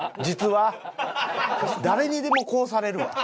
誰にでもこうされるわ。